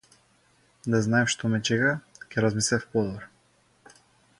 Да знаев што ме чека ќе размислев подобро.